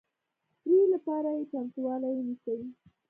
ري لپاره یې چمتوالی ونیسئ